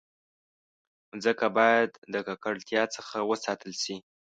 مځکه باید د ککړتیا څخه وساتل شي.